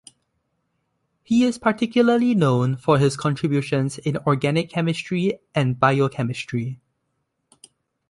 He is particularly known for his contributions in organic chemistry and biochemistry.